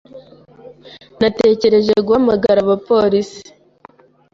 Natekereje guhamagara abapolisi.